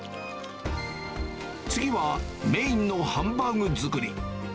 次はメインのハンバーグ作り。